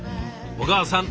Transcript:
小川さん